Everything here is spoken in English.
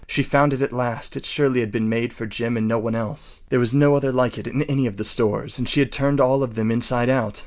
She found it at last. It surely had been made for Jim and no one else. There was no other like it in any of the stores, and she had turned all of them inside out.